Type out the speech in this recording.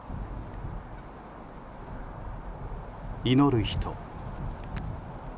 祈る人。